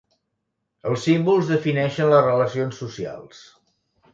Els símbols defineixen les relacions socials.